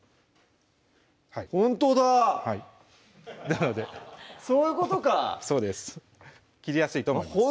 なのでそういうことかそうです切りやすいと思います